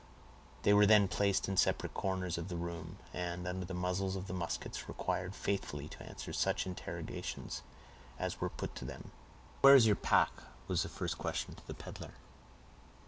They were then placed in separate corners of the room, and, under the muzzles of the muskets, required faithfully to answer such interrogatories as were put to them. "Where is your pack?" was the first question to the peddler.